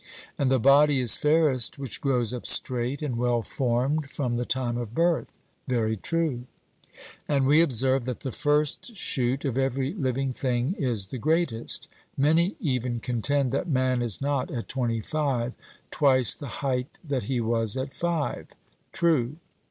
And the body is fairest which grows up straight and well formed from the time of birth. 'Very true.' And we observe that the first shoot of every living thing is the greatest; many even contend that man is not at twenty five twice the height that he was at five. 'True.'